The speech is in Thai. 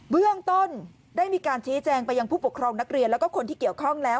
เบื้องต้นได้มีการชี้แจงไปยังผู้ปกครองนักเรียนแล้วก็คนที่เกี่ยวข้องแล้ว